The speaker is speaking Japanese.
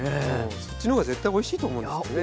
そっちのが絶対おいしいと思うんですけどね。